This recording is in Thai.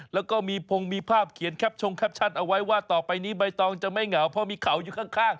แล้วก็มีพงมีภาพเขียนแคปชงแคปชั่นเอาไว้ว่าต่อไปนี้ใบตองจะไม่เหงาเพราะมีเขาอยู่ข้าง